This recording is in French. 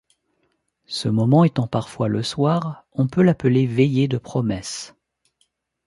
Ce moment étant parfois le soir, on peut l'appeler veillée de promesse.